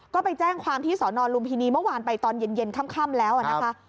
ก็ไปแจ้งความที่สอนอลุมพินีเมื่อวานไปตอนเย็นค่ำแล้วนะคะ